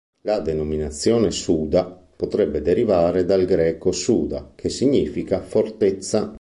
La denominazione "Suda" potrebbe derivare dal greco "suda", che significa "fortezza".